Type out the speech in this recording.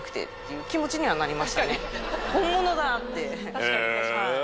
確かに確かに。